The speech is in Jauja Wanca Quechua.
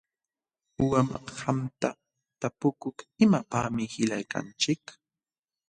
Uqam qamta tapukuk: ¿Imapaqmi qillqaykanchik?